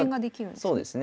そうですね。